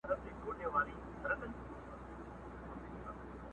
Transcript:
بل دي هم داسي قام لیدلی چي سبا نه لري؟،